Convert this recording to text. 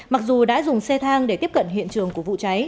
mặc dù đã dùng xe thang để tiếp cận hiện trường của vụ cháy